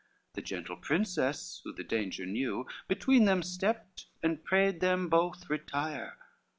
The gentle princess, who the danger knew, Between them stepped, and prayed them both retire.